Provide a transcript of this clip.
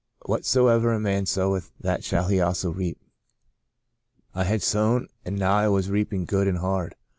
'Whatsoever a man soweth that shall he also reap.' I had sown and now I was reaping good and hard.